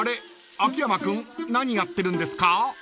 秋山君何やってるんですか？］